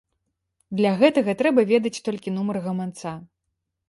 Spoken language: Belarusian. Для гэтага трэба ведаць толькі нумар гаманца.